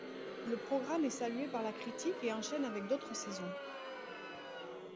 Le programme est salué par la critique et enchaîne avec d'autres saisons.